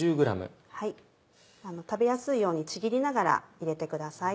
食べやすいようにちぎりながら入れてください。